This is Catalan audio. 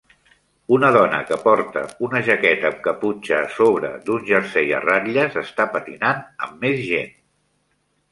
Una dona que porta una jaqueta amb caputxa a sobre d'un jersei a ratlles està patinant amb més gent.